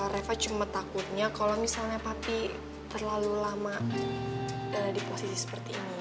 reva cuma takutnya kalau misalnya pati terlalu lama berada di posisi seperti ini